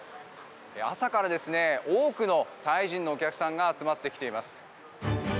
朝から多くのタイ人のお客さんが集まってきています。